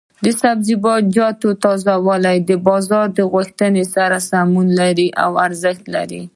د سبزیجاتو تازه والي د بازار د غوښتنې سره سمون لري او ارزښت لري.